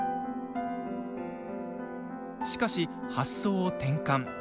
しかし、発想を転換。